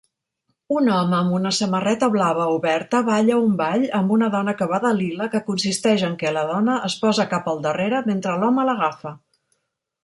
Un home amb una samarreta blava oberta balla un ball amb una dona que va de lila que consisteix en que la dona es posa cap al darrera mentre l'home l'agafa